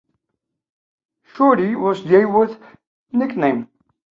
"Shorty" was Yeaworth's nickname.